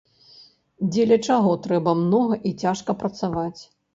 Дзеля чаго трэба многа і цяжка працаваць.